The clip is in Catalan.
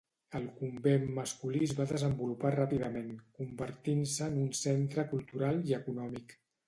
El convent masculí es va desenvolupar ràpidament, convertint-se en un centre cultural i econòmic.